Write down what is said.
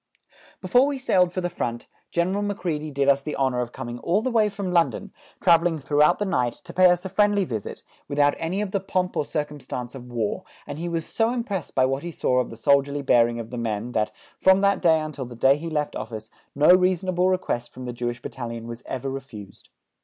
Before we sailed for the front, General Macready did us the honour of coming all the way from London, travelling throughout the night, to pay us a friendly visit, without any of the pomp or circumstance of war, and he was so impressed by what he saw of the soldierly bearing of the men that, from that day until the day he left office, no reasonable request from the Jewish Battalion was ever refused.